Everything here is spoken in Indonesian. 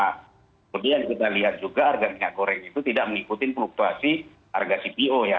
kemudian kita lihat juga harga minyak goreng itu tidak mengikuti fluktuasi harga cpo ya